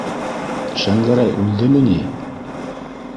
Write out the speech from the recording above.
- Шәңгәрәй үлдеме ни?!